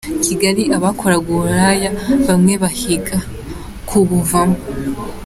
Kigali Abakoraga uburaya bamwe bahiga kubuvamo